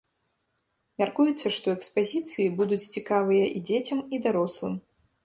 Мяркуецца, што экспазіцыі будуць цікавыя і дзецям і дарослым.